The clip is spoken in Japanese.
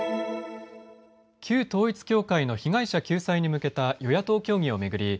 旧統一教会の被害者救済に向けた与野党協議を巡り